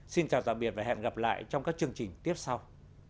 xin chào tạm biệt và hẹn gặp lại trong các chương trình tiếp sau